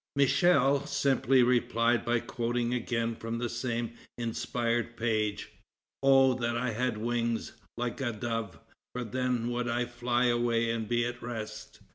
'" Michel simply replied by quoting again from the same inspired page: "Oh that I had wings like a dove; for then would I fly away and be at rest."